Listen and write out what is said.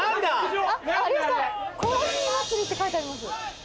有吉さん「コーヒー祭り」って書いてあります。